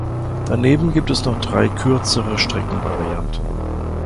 Daneben gibt es noch drei kürzere Streckenvarianten.